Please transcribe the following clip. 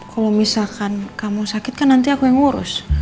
kalau misalkan kamu sakit kan nanti aku yang ngurus